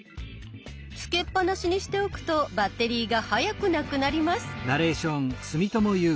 つけっぱなしにしておくとバッテリーが早くなくなります。